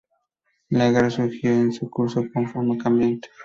La guerra siguió su curso con fortuna cambiante.